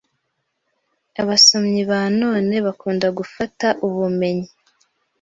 Abasomyi ba none bakunda gufata ubumenyi